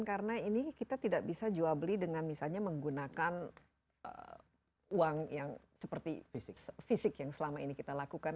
karena ini kita tidak bisa jual beli dengan misalnya menggunakan uang yang seperti fisik yang selama ini kita lakukan